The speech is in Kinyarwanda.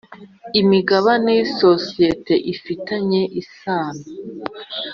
imigabane sosiyete ifitanye isano